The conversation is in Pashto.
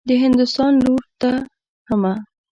د هندوستان لور ته حمه.